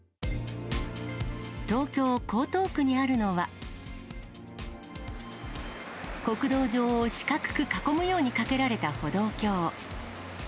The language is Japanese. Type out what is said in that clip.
東京・江東区にあるのは、国道上を四角く囲むように架けられた歩道橋。